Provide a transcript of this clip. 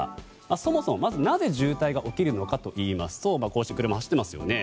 そもそも、なぜ渋滞が起きるのかといいますとこうして車が走っていますよね。